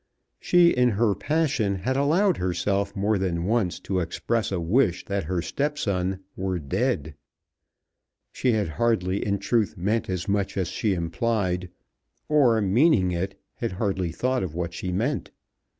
She in her passion had allowed herself more than once to express a wish that her stepson were dead. She had hardly in truth meant as much as she implied, or meaning it had hardly thought of what she meant.